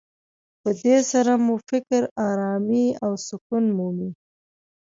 په دې سره مو فکر ارامي او سکون مومي.